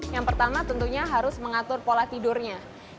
yang pertama tentunya harus mengatur pola tidurnya